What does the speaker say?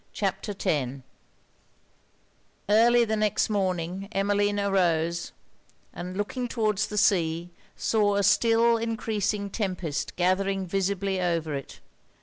CHAPTER X Early the next morning, Emmeline arose; and looking towards the sea, saw a still encreasing tempest gathering visibly over it.